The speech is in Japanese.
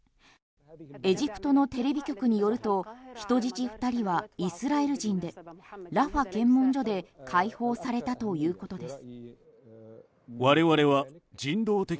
エジプトのテレビ局によると人質２人はイスラエル人でラファ検問所で解放されたということです。